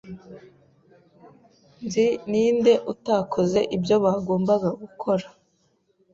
Nzi ninde utakoze ibyo bagombaga gukora.